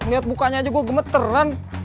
lihat bukanya aja gue gemeteran